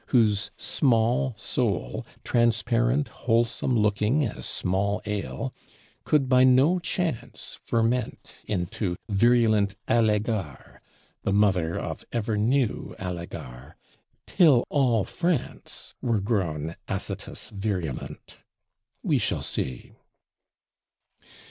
whose small soul, transparent wholesome looking as small ale, could by no chance ferment into virulent alegar, the mother of ever new alegar; till all France were grown acetous virulent? We shall see.